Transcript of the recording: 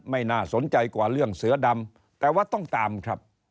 น่าสนใจกว่าเรื่องเสือดำแต่ว่าต้องตามครับ